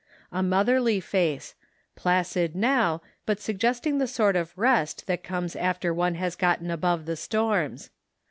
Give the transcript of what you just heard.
A moth erly face ; placid now, but suggesting the sort of rest that comes after one lias gotten above the storms.